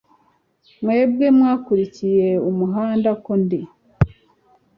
mwebwe mwakurikiye umuhanda ko ndi